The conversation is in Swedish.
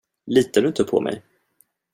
Litar du inte på mig?